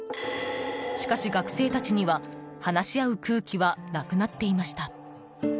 しかし、学生たちには話し合う空気はなくなっていました。